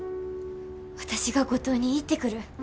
私が五島に行ってくる。